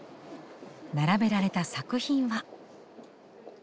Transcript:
並べられた作品は？